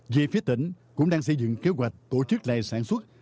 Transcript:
về phía tỉnh cũng đang xây dựng kế hoạch tổ chức lại sản xuất